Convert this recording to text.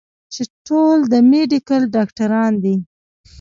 چې ټول د ميډيکل ډاکټران دي